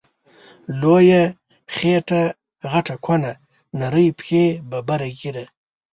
لويه خيټه غټه کونه، نرۍ پښی ببره ږيره